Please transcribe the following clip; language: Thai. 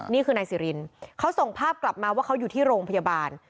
นี่คือนายสิรินเขาส่งภาพกลับมาว่าเขาอยู่ที่โรงพยาบาล